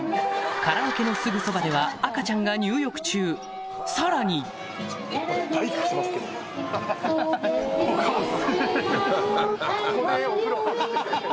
カラオケのすぐそばでは赤ちゃんが入浴中さらに・カオス！